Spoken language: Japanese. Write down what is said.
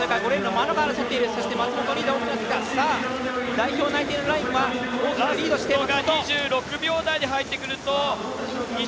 代表内定のラインは大きくリードしている。